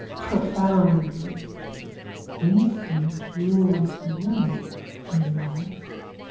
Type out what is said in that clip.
(Profoundly.) Instinct rules the world. In life.